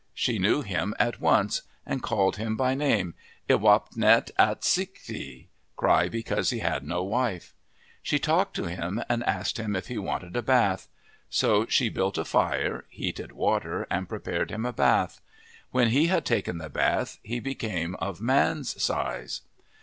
She knew him at once and called him by name Iwapnep Atswitki, Cry because he had no wife. She talked to him and asked him if he wanted a bath. So she built a fire, heated water, and prepared him a bath. When he had taken the bath he became of man's size.